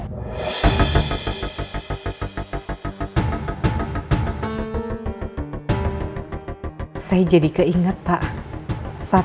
di mana saya pergi dan nyuruhnya aku ketahuan